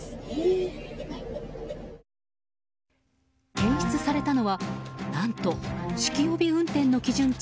検出されたのは何と酒気帯び運転の基準値